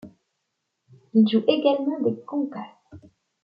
Il joue également des congas.